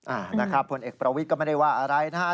อ่านะครับผลเอกประวิทย์ก็ไม่ได้ว่าอะไรนะฮะ